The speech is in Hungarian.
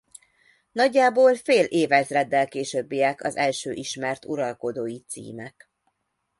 Nagyjából fél évezreddel későbbiek az első ismert uralkodói címek.